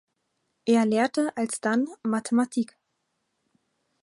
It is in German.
Er lehrte alsdann Mathematik.